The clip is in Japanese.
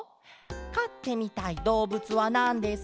「かってみたいどうぶつはなんですか？